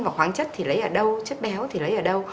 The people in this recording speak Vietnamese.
và khoáng chất thì lấy ở đâu chất béo thì lấy ở đâu